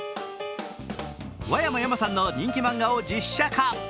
和山やまさんの人気漫画を実写化。